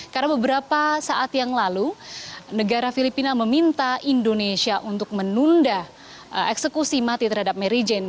karena beberapa saat yang lalu negara filipina meminta indonesia untuk menunda eksekusi mati terhadap mary jane